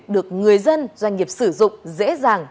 được người dân doanh nghiệp sử dụng dễ dàng